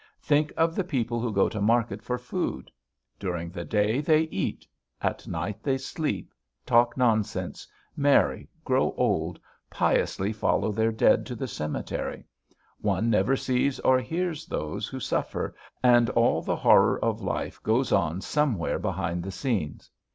Think of the people who go to the market for food: during the day they eat; at night they sleep, talk nonsense, marry, grow old, piously follow their dead to the cemetery; one never sees or hears those who suffer, and all the horror of life goes on somewhere behind the scenes.